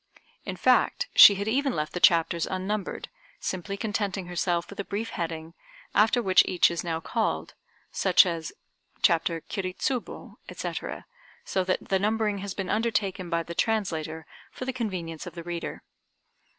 In fact she had even left the chapters unnumbered, simply contenting herself with a brief heading, after which each is now called, such as "Chapter Kiri Tsubo," etc., so that the numbering has been undertaken by the translator for the convenience of the reader.